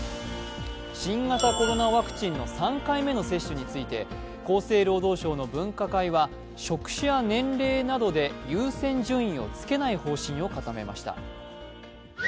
新型コロナワクチンの３回目の接種について厚生労働省の分科会は職種や年齢などで優先順位をつけない方針を固めました。